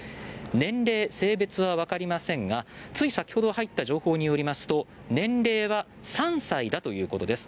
年齢、性別はわかりませんがつい先ほど入った情報によりますと年齢は３歳だということです。